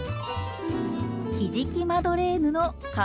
ひじきマドレーヌの完成です。